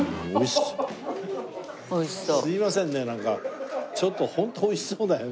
すいませんねなんかちょっとホントおいしそうだよね。